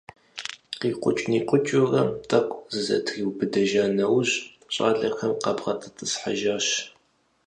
КъикӀукӀ-никӀукӀыурэ тӀэкӀу зызэтриубыдэжа нэужь, щӀалэхэм къабгъэдэтӀысхьэжащ.